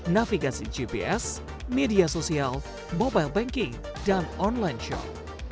navigasi gps media sosial mobile banking dan online shop